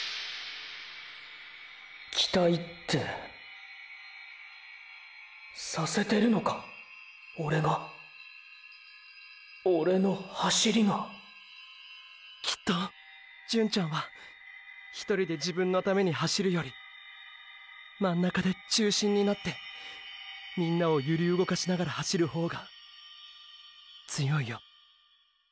“期待”ってさせてるのかオレがオレの走りがきっと純ちゃんは１人で自分のために走るより真ん中で中心になってみんなをゆり動かしながら走る方が強いよ。